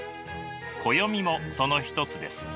暦もその一つです。